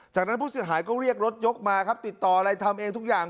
จากนั้นผู้เสียหายก็เรียกรถยกมาครับติดต่ออะไรทำเองทุกอย่าง